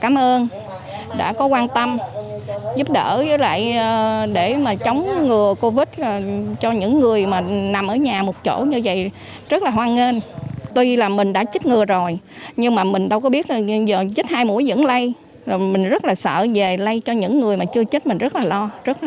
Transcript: mình không biết chích hai mũi vẫn lây mình rất sợ về lây cho những người chưa chích mình rất lo